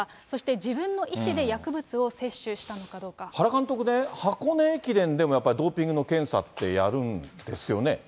そして自分の意思で薬物を接種し原監督ね、箱根駅伝でも、やっぱりドーピングの検査ってやるんですよね？